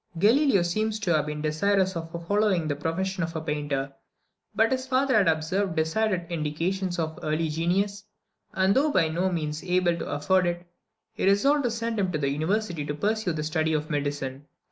Galileo seems to have been desirous of following the profession of a painter: but his father had observed decided indications of early genius; and, though by no means able to afford it, he resolved to send him to the university to pursue the study of medicine.